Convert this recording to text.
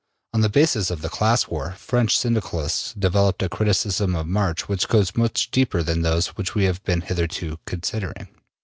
On the basis of the class war, French Syndicalists developed a criticism of Marx which goes much deeper than those that we have been hitherto considering.